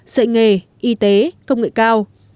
dạy nghề y tế công nghệ cao